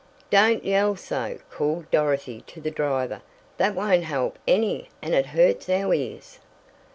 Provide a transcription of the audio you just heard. "Don't yell so!" called Dorothy to the driver. "That won't help any and it hurts our ears."